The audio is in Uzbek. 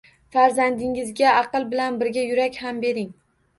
Farzandingizga aql bilan birga yurak ham bering...